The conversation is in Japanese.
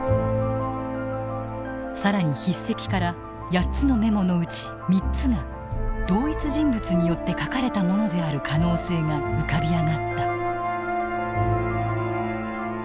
更に筆跡から８つのメモのうち３つが同一人物によって書かれたものである可能性が浮かび上がった。